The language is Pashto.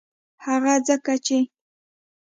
هغه ځکه چې